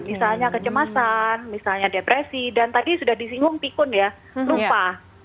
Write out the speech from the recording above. misalnya kecemasan misalnya depresi dan tadi sudah disinggung pikun ya rupa